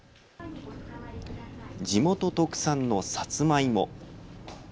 地元特産のさつまいも。